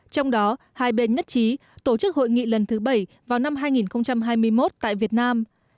trong đó hai bên nhất trí tổ chức hội nghị lần thứ bảy vào năm hai nghìn hai mươi một tại việt nam